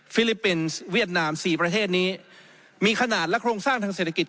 ลิปปินส์เวียดนามสี่ประเทศนี้มีขนาดและโครงสร้างทางเศรษฐกิจ